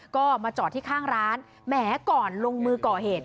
ก็มาจอดที่ข้างร้านแหมก่อนลงมือก่อเหตุ